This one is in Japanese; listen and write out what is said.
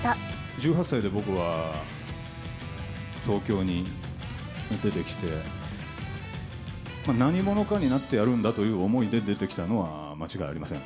１８歳で僕は、東京に出てきて、何者かになってやるんだという思いで出てきたのは間違いありません。